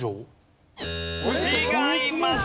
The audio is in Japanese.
違います。